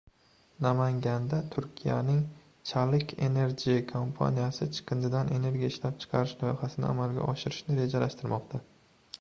Namanganda Turkiyaning Çalık Enerji kompaniyasi chiqindidan energiya ishlab chiqarish loyihasini amalga oshirishni rejalashtirmoqda.